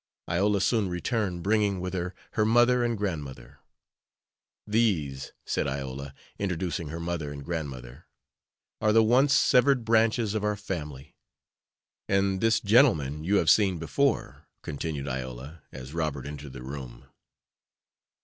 Iola soon returned, bringing with her her mother and grandmother. "These," said Iola, introducing her mother and grandmother, "are the once severed branches of our family; and this gentleman you have seen before," continued Iola, as Robert entered the room.